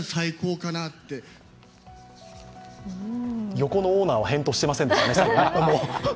横のオーナーは返答してませんでしたね。